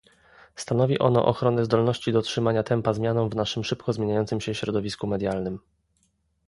Stanowi ono ochronę zdolności dotrzymania tempa zmianom w naszym szybko zmieniającym się środowisku medialnym